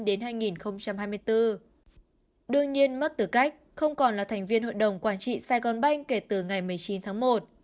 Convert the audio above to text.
đương nhiên mất tử cách không còn là thành viên hội đồng quản trị saigon bank kể từ ngày một mươi chín tháng một